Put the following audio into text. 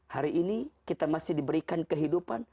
hari ini kita masih diberikan kehidupan